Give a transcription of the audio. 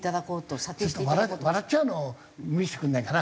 ちょっと笑っちゃうのを見せてくれないかな。